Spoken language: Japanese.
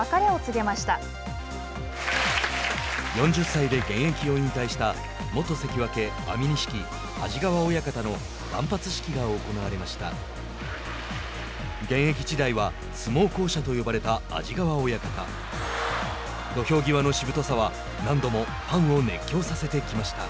４０歳で現役を引退した元関脇安美錦、安治川親方の断髪式が行われました。